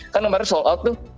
kan kemarin sold out tuh